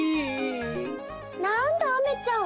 なんだアメちゃん